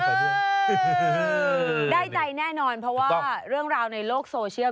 ได้ใจแน่นอนเพราะว่าเรื่องราวในโลกโซเชียล